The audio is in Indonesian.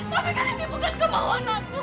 tapi kan ini bukan kemauan aku